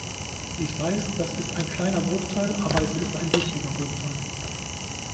Ich weiß, das ist ein kleiner Bruchteil, aber es ist ein wichtiger Bruchteil.